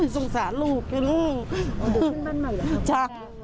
สงสารลูก